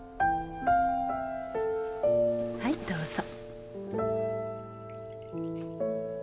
はいどうぞ。